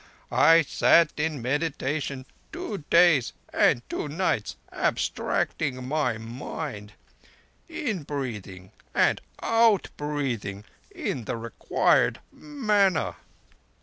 I sat in meditation two days and two nights, abstracting my mind; inbreathing and outbreathing in the required manner